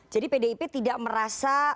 jadi pdip tidak merasa